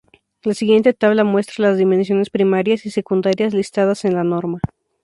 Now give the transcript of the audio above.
La siguiente tabla muestra las dimensiones primarias y secundarias listadas en la norma.